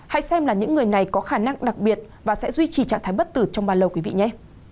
hãy xem là những người này có khả năng đặc biệt và sẽ duy trì trạng thái bất tử trong bao lâu quý vị nhé